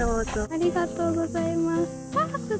ありがとうございます。